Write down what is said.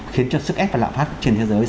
khiến cho sức ép và lạm phát trên thế giới